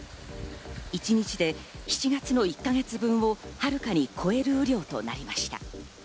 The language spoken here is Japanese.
一日で７月の１か月分を遥かに超える雨量となりました。